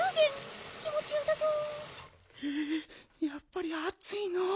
やっぱりあついの。